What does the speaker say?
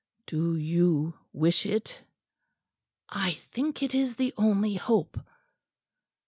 "Do you wish it?" "I think it is the only hope."